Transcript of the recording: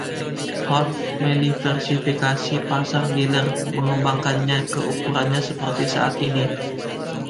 Holt mendiversifikasi pasar dealer, mengembangkannya ke ukurannya seperti saat ini.